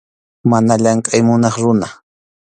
Mana llamkʼay munaq runa.